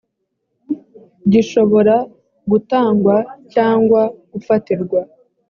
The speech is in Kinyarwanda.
gishobora gutangwa cyangwa gufatirwa